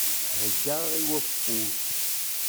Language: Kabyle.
Heggaɣ i waffug.